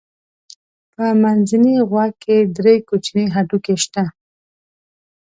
په منځني غوږ کې درې کوچني هډوکي شته.